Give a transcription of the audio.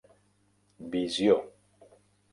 Visió.